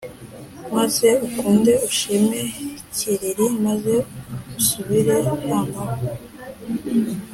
Maze ukunde ushime ikiriri maze usubire ntamahwa